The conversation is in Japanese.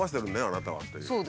あなたはっていう。